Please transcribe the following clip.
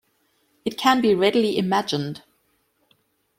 It can be readily imagined.